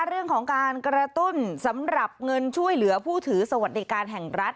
เรื่องของการกระตุ้นสำหรับเงินช่วยเหลือผู้ถือสวัสดิการแห่งรัฐ